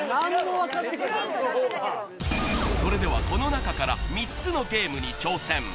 それではこの中から３つのゲームに挑戦